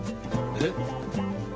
えっ？